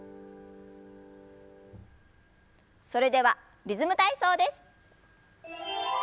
それでは「リズム体操」です。